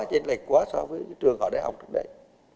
chẳng hạn quá so với trường họ đã học trước đây